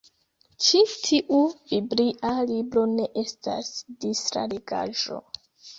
Ĉi tiu biblia libro ne estas distra legaĵo.